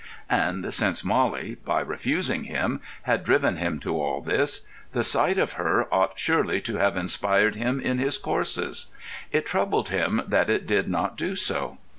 And since Mollie, by refusing him, had driven him to all this, the sight of her ought surely to have inspired him in his courses; it troubled him that it did not do so.